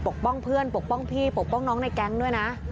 เกี้ยว